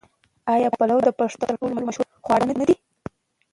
آیا پلو د پښتنو تر ټولو مشهور خواړه نه دي؟